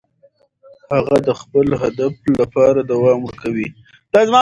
هغه د خپل هدف لپاره دوام ورکوي.